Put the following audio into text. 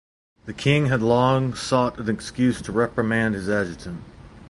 The king had long sought an excuse to reprimand his adjutant.